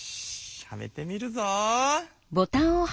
はめてみるぞ。